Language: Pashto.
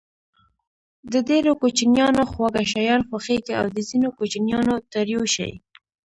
د ډېرو کوچنيانو خواږه شيان خوښېږي او د ځينو کوچنيانو تريؤ شی.